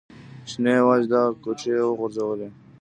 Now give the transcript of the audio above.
چې نه یوازې دغه کوټې يې و غورځولې.